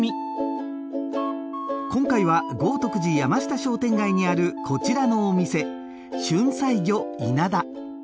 今回は豪徳寺山下商店街にあるこちらのお店旬菜魚いなだ